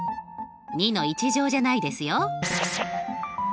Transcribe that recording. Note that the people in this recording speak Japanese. ２の１乗じゃないですよ。